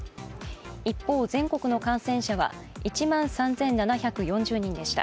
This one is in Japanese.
一方、全国の感染者は１万３７４０人でした。